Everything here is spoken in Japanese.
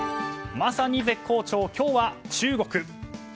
まさに絶好調、今日は中国。